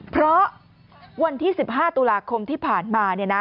เพราะวันที่๑๕ตุลาคมที่ผ่านมา